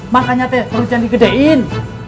makanya perlu jadi gedein